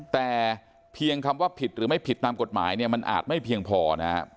แต่เพียงคำว่าผิดหรือไม่ผิดตามกฎหมายเนี่ยมันอาจไม่เพียงพอนะครับ